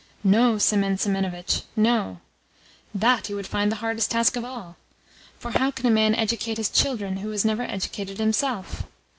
"No, Semen Semenovitch no: THAT you would find the hardest task of all. For how can a man educate his children who has never even educated himself?